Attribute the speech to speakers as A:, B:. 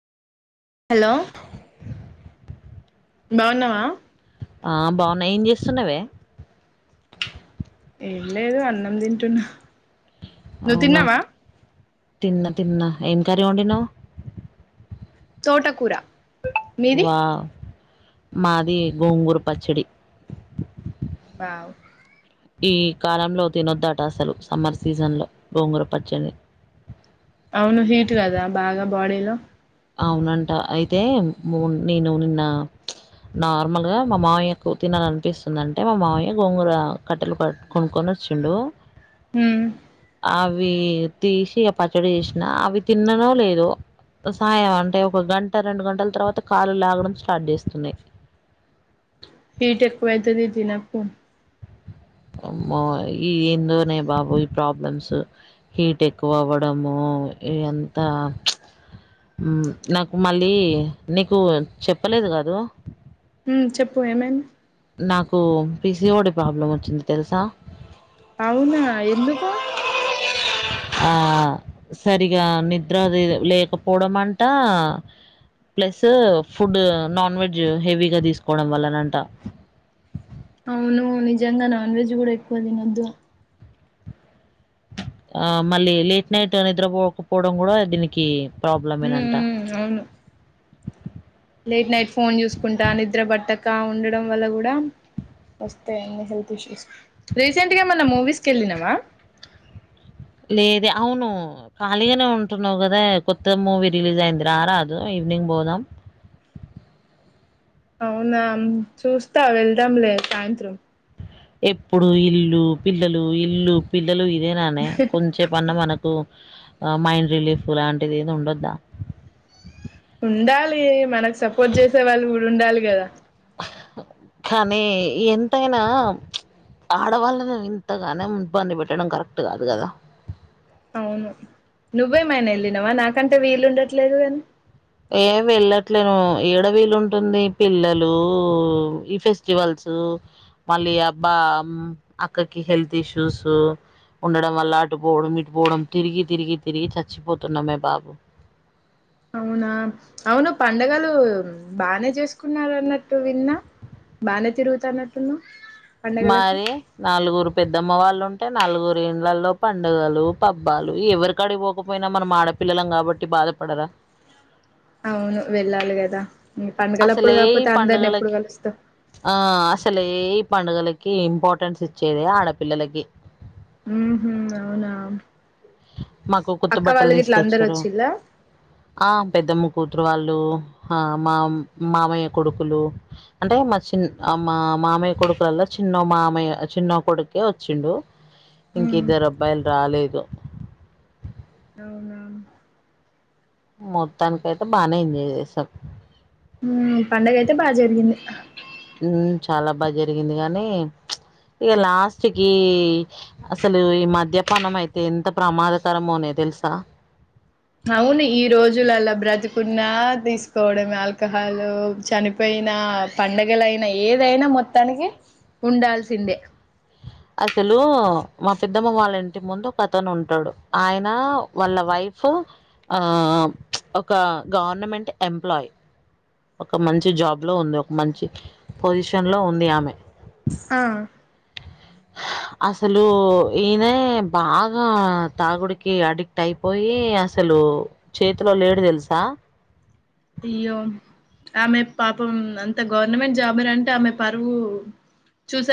A: Hello బాగున్నావా
B: ఆ బాగున్నా ఏం చేస్తున్నావే
A: ఏం లేదు అన్నం తింటున్నా నువ్వు తిన్నావా
B: తిన్న తిన్నా ఏం కర్రీ వండినావ్
A: తోటకూర మీది
B: వా మాది గోంగూర పచ్చడి
A: ఆ
B: ఈ కాలంలో తినొద్దట అసలు సమ్మర్ సీజన్ లో గోంగుర పచ్చడి
A: అవును హీట్ కదా బాగా బాడీలో
B: అవునంట అయితే నేను నిన్న నార్మల్గా మా మావయ్యకు తినాల అనిపిస్తుంది అంటే మా మావయ్య గోంగూర కట్టెలు కొనుక్కొని వచ్చిండు
A: ఉమ్
B: అవి తీసి పచ్చడి చేసిన అవి తిన్నానో లేదో సాయం అంటే ఒక గంట రెండు గంటల తర్వాత కాళ్లు లాగడం స్టార్ట్ చేస్తున్నాయి
A: హీట్ ఎక్కువైతది తినకు
B: అమ్మో ఈ ఏందోనే బాబు ఈ ప్రాబ్లమ్స్ హీట్ ఎక్కువ అవ్వడము ఇ అంతా నాకు మళ్ళీ నీకు చెప్పలేదు కదూ
A: ఉమ్ చెప్పు ఏమైంది
B: నాకు పీసిఓడి ప్రాబ్లం వచ్చింది తెలుసా
A: అవునా ఎందుకు
B: ఆ సరిగా నిద్ర లేకపోవడం అంట ప్లస్ ఫుడ్ నాన్ వెజ్ హెవీగా తీసుకోవడం వల్లనంట
A: అవును నిజంగా నాన్ వెజ్ కూడా ఎక్కువ తినొద్దు
B: ఆ మళ్ళీ లేట్ నైట్ నిద్రపోకపోవడం కూడా దీనికి
A: ఉమ్
B: ప్రాబ్లమేనంట
A: ఉమ్ అవును లేట్ నైట్ ఫోన్ చూసుకుంటా నిద్ర బట్ట ఉండడం వల్ల కూడా వస్తాయిన్ని హెల్త్ ఇష్యూస్ రీసెంట్ గా ఏమన్నా మూవీస్కి వెళ్ళినవా
B: లేదే అవును ఖాళీగానే ఉంటున్నావు కదా కొత్త మూవీ రిలీజ్ అయింది రా రాదు ఈవినింగ్ పోదాం
A: అవునా చూస్తా వెళ్దాంలే సాయంత్రం
B: ఎప్పుడు ఇల్లు పిల్లలు ఇల్లు పిల్లలు ఇదేనానే కొంచేపన్న మనకు ఆ మైండ్ రిలీఫ్ లాంటిది ఏది ఉండద్దా
A: ఉండాలి మనకు సపోర్ట్ చేసే వాళ్ళు కూడా ఉండాలి కదా
B: కానీ ఎంతైనా ఆడవాళ్ళ ఇంతగానం ఇబ్బంది పెట్టడం కరెక్ట్ కాదు కదా
A: అవును నువ్వేమయిన వెళ్ళినావ నాకంటే వీలు ఉండట్లేదు గాని
B: ఏ వెళ్ళట్లేను ఏడ వీలు ఉంటుంది పిల్లలు ఈ ఫెస్టివల్స్ మళ్ళీ అబ్బా అక్కకి హెల్త్ ఇష్యూస్ ఉండడం వల్ల అటు పోవడం ఇటుపోవడం తిరిగి తిరిగి తిరిగి చచ్చిపోతున్నామే బాబు
A: అవునా అవును పండుగలు బానే చేసుకున్నారు అన్నట్టు విన్నా బానే తిరుగుతా అన్నట్టున్నావ్
B: మరి నాలుగు రూపా పెద్దమ్మ వాళ్ళు ఉంటే నలుగురిండ్లల్లో పండగలు పబ్బాలు. ఎవరికడిగిపోకపోయినా మనం ఆడపిల్లలం కాబట్టి బాధపడరా
A: అవును వెళ్ళాలి కదా పండగలప్పుడు
B: అసలే ఈ
A: కాకపోతే అందరిని ఎప్పుడు
B: పడుగలకి
A: కలుస్తావ్
B: ఆ అసలే పండుగలకి ఇంపార్టెన్స్ ఇచ్చేది ఆడపిల్లలకి
A: ఉ హు అవునా
B: మాకు కొత్త
A: అక్క
B: బట్టలు
A: వాళ్ళు గిట్ల అందరు
B: దిసుకొచ్చిరు.
A: వచ్చిల్లా
B: ఆ పెద్దమ్మ కూతురు వాళ్ లు ఆ మా మామయ్య కొడుకులు అంటే మా చిన్ ఆ మా మామయ్య కొడుకులల్లా చిన్నో మామయ్య ఆ చిన్నో కొడుకే వచ్చిండు.
A: ఉమ్
B: ఇంకిద్దర్ అబ్బాయిల్ రాలేదు
A: అవునా
B: మొత్తానికైతే బానే ఎంజాయ్ చేసాం
A: హ్మ పండగ అయితే బా జరిగింది
B: ఉ మ్ చాలా బా జరిగింది కానీ. ఇగ లాస్ట్కి అసలు ఈ మద్యపానం అయితే ఎంత ప్రమాదకరమోనే తెలుసా
A: అవును ఈ రోజులల్ల బ్రతుకున్నా దిస్కోవడమే ఆల్కహాలు. చనిపోయినా పండగలైనా ఏదైనా మొత్తానికి ఉండాల్సిందే.
B: అసలు మా పెద్దమ్మ వాళ్ళ ఇంటి ముందు ఒక అతను ఉంటాడు. ఆయన వాళ్ళ వైఫ్ ఆ చ్ ఒక గవర్నమెంట్ ఎంప్లాయ్ ఒక మంచి జాబ్ లో ఉంది. ఒక మంచి పొజిషన్ లో ఉంది ఆమె
A: ఆ
B: హ అసలు ఈయనే బాగా తాగుడికి అడిక్టైపోయి అసలు చేతిలో లేడు తెలుసా
A: అయ్యో ఆమె పాపం అంత గవర్నమెంట్ జాబ్ అన్ అంటే ఆమె పరువు చూసా